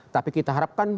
tapi kita harapkan